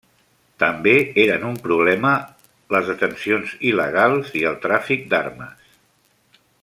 També eren un problema les detencions il·legals i el tràfic d'armes.